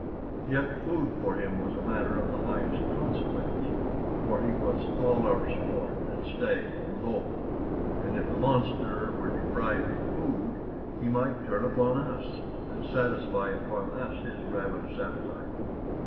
Yet food for him was a matter of the highest consequence, for he was all our support and stay and hope; and if the monster were deprived of food he might turn upon us and satisfy upon us his ravenous appetite.